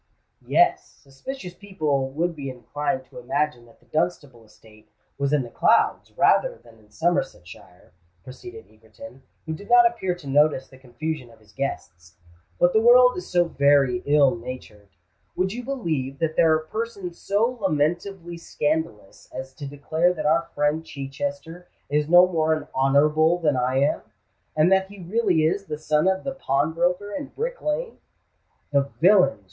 "Yes—suspicious people would be inclined to imagine that the Dunstable estate was in the clouds rather than in Somersetshire," proceeded Egerton, who did not appear to notice the confusion of his guests. "But the world is so very ill natured! Would you believe that there are persons so lamentably scandalous as to declare that our friend Chichester is no more an Honourable than I am, and that he really is the son of the pawnbroker in Brick Lane?" "The villains!"